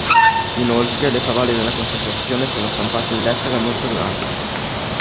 Inoltre, le parole della consacrazione sono stampate in lettere molto grandi.